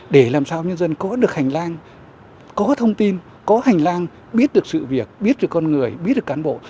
để làm sao nhân dân có được hành lang có thông tin có hành lang biết được sự việc biết được con người biết được cán bộ